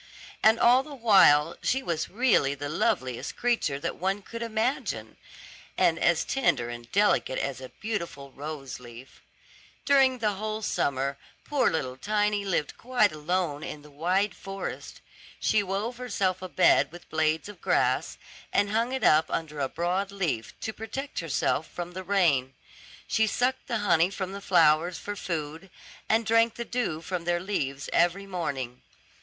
And all the while she was really the loveliest creature that one could imagine, and as tender and delicate as a beautiful rose leaf. During the whole summer poor little Tiny lived quite alone in the wide forest. She wove herself a bed with blades of grass, and hung it up under a broad leaf, to protect herself from the rain. She sucked the honey from the flowers for food, and drank the dew from their leaves every morning.